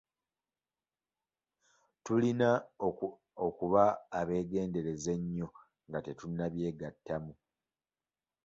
Tulina okuba abeegendereza ennyo nga tetunnabyegattamu